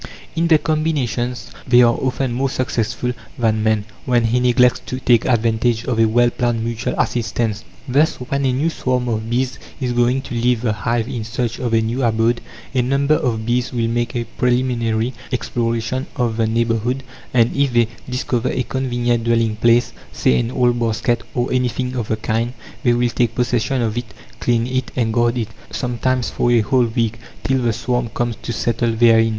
In their combinations they are often more successful than man, when he neglects to take advantage of a well planned mutual assistance. Thus, when a new swarm of bees is going to leave the hive in search of a new abode, a number of bees will make a preliminary exploration of the neighbourhood, and if they discover a convenient dwelling place say, an old basket, or anything of the kind they will take possession of it, clean it, and guard it, sometimes for a whole week, till the swarm comes to settle therein.